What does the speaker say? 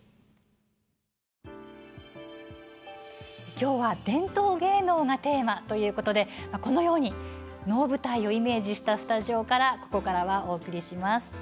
きょうは伝統芸能がテーマということでこのように能舞台をイメージしたスタジオからここからはお送りします。